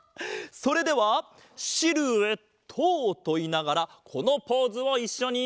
それでは「シルエット」といいながらこのポーズをいっしょに。